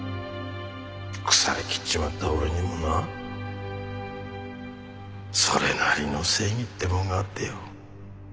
腐りきっちまった俺にもなそれなりの正義ってもんがあってよ。